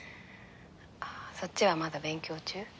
「そっちはまだ勉強中？」